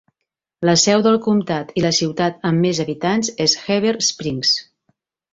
La seu del comtat i la ciutat amb més habitants és Heber Springs.